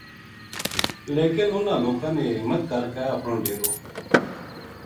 لیکن اِنہاں لوکاں نے ہمت کر کہ اپنو ڈیرو